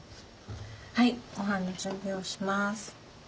はいごはんの準備をします。